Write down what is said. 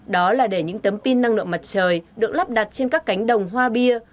đó là để những tấm pin năng lượng mặt trời được lắp đặt trên các cánh đồng hoa bia